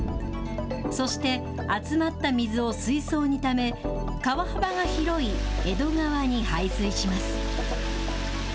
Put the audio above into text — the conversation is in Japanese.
そして集まった水を水槽にため、川幅が広い江戸川に排水します。